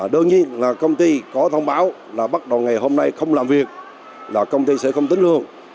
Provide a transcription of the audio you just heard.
đương nhiên là công ty có thông báo là bắt đầu ngày hôm nay không làm việc là công ty sẽ không tính lương